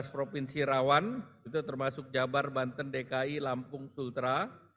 tujuh belas provinsi rawan itu termasuk jabar banten dki lampung sultra